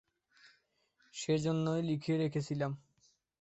সেজন্যই লিখে রেখেছিলাম।